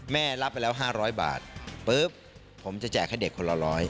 รับไปแล้ว๕๐๐บาทปุ๊บผมจะแจกให้เด็กคนละร้อย